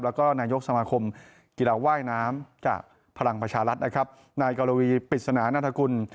แล้วก็นายกุศมธรรมกีฬาว่ายน้ำแปลกพลังประชารัฐนะครับนายกลวีปริศนาณัทคลุม